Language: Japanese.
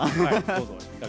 どうぞ。